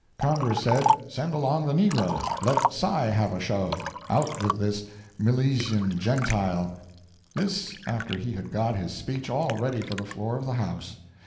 Congress said, send along the negro—let Sy have a show—out with this Milesian Gentile! This, after he had got his speech all ready for the floor of the House!